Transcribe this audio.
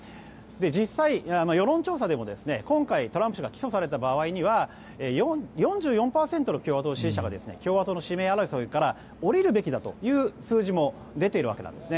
実際、世論調査でも今回、トランプ氏が起訴された場合には４４％の共和党支持者が共和党の指名争いから降りるべきだという数字も出ているんです。